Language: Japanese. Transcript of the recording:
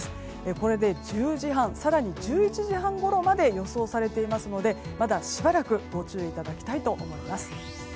これで１０時半更に１１時半ごろまで予想されていますのでまだしばらくご注意いただきたいと思います。